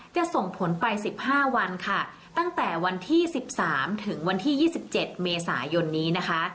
จะส่งผลไป๑๕วันค่ะตั้งแต่วันที่๑๓ถึงวันที่๒๗เมษายนนี้นะคะ